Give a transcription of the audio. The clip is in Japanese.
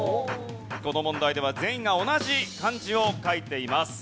この問題では全員が同じ漢字を書いています。